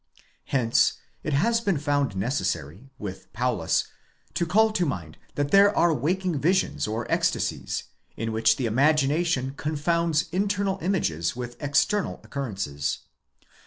Hence, it has. been found necessary, with Paulus, to call to mind that there are waking visions or ecstasies, in which the imagination confounds internal images with external occurrences.